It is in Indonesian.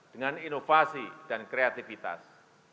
dengan inovasi dan kreativitas